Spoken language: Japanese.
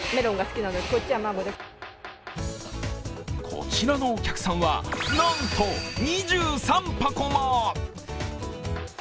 こちらのお客さんは、なんと２３箱も。